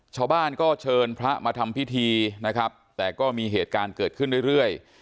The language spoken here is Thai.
ชาวบ้านก็เชิญพระมาทำพิธีนะครับแต่ก็มีเหตุการณ์เกิดขึ้นเรื่อย